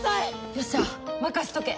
よっしゃ任せとけ！